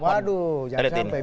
aduh jangan sampai